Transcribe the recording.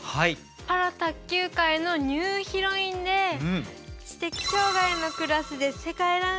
パラ卓球界のニューヒロインで知的障がいのクラスで世界ランキング５位です。